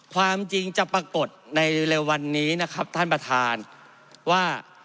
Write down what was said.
ความจริงจะปรากฏในเร็ววันนี้นะครับท่านประธานว่า